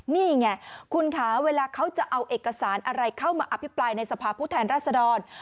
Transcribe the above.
นี่ไงคุณคะเวลาเขาจะเอาเอกสารอะไรเข้ามาอภิปรายในสภาพผู้แทนรัศดร